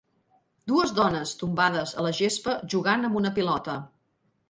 Dues dones tombades a la gespa jugant amb una pilota.